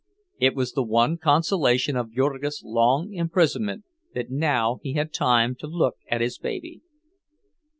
It was the one consolation of Jurgis' long imprisonment that now he had time to look at his baby.